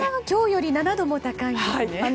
今日より７度も高いんですね。